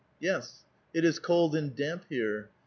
" Yes, it is cold and damp here.